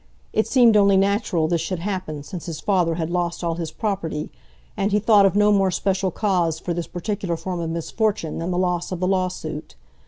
It seemed only natural this should happen, since his father had lost all his property, and he thought of no more special cause for this particular form of misfortune than the loss of the lawsuit.